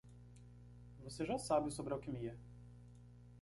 Você já sabe sobre alquimia.